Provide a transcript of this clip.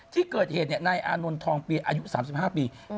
ที่เกิดเหตุนายอานนท์ทองเปียอายุ๓๕ปี